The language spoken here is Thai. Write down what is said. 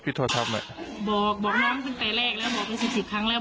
พี่โทษครับหน่อยบอกบอกน้องตั้งแต่แรกแล้วบอกไปสิบสิบครั้งแล้ว